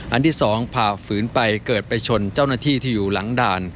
อันที่สองฝ่าฝืนไปเกิดไปชนเจ้าหน้าที่ที่อยู่หลังด่าน